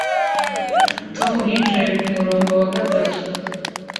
Tom yicaye kumurongo wa gatatu